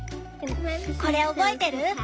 これ覚えてる？